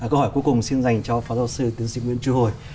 câu hỏi cuối cùng xin dành cho phó giáo sư tiến sĩ nguyễn chu hồi